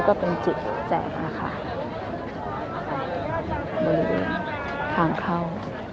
ก็เป็นจุดแจกนะคะบริเวณทางเข้า